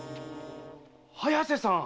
早瀬さん